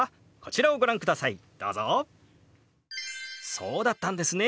そうだったんですね。